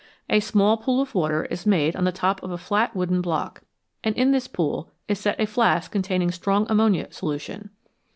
A small pool of water is made on the top of a flat wooden block, and in this pool is set a flask containing strong ammonia solution.